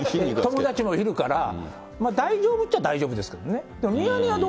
友達もいるから、大丈夫っちゃ大丈夫ですけどね。